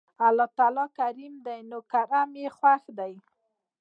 الله تعالی کريم دی نو کرَم ئي خوښ دی